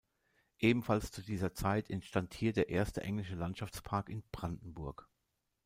Ebenfalls zu dieser Zeit entstand hier der erste englische Landschaftspark in Brandenburg.